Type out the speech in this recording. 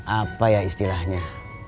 apa ya istilahnya